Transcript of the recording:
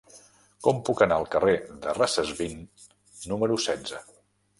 Com puc anar al carrer de Recesvint número setze?